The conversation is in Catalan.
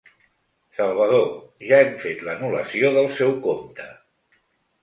Salvador, ja hem fet l'anul·lació del seu compte.